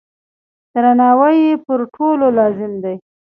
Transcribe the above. درناوی یې پر ټولو لازم دی.